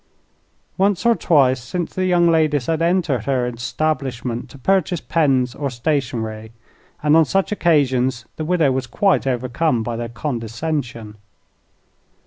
Once or twice since the young ladies had entered her establishment to purchase pens or stationery, and on such occasions the widow was quite overcome by their condescension.